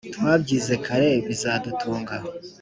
twabyize kare bizadutunga! »